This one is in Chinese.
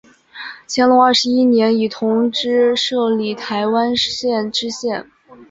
乾隆二十一年以同知摄理台湾县知县。